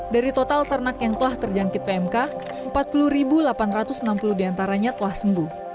dari total ternak yang telah terjangkit pmk empat puluh delapan ratus enam puluh diantaranya telah sembuh